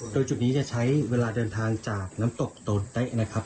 โดยจุดนี้จะใช้เวลาเดินทางจากน้ำตกโตนเต๊ะนะครับ